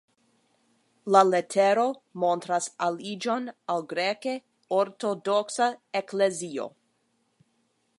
La letero montras aliĝon al Greke Ortodoksa Eklezio.